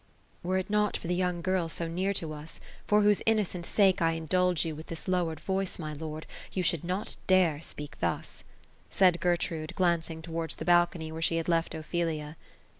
'^ Were it not for the young girl so near to us, for whose innoeent sake 1 indulge you with this lowered voice, my lord, you should not dare speak thus ;" said G ertrude, glancing towards the balcony, where she had left Ophelia.